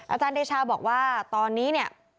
อาจารย์เดชาบอกว่าตอนนี้เนี่ย